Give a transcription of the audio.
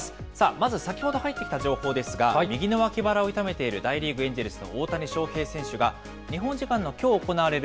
まず、先ほど入ってきた情報ですが、右の脇腹を痛めている大リーグ・エンジェルスの大谷翔平選手が、日本時間のきょう行われる